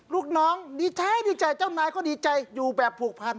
ลูกน้องดีใจดีใจเจ้านายก็ดีใจอยู่แบบผูกพัน